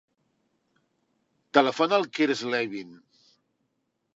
Telefona al Quirze Lavin.